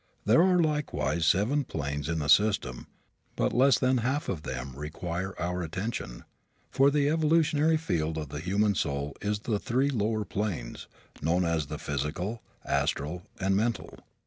There are likewise seven planes in the system but less than half of them require our attention, for the evolutionary field of the human soul is the three lower planes, known as the physical, astral and mental.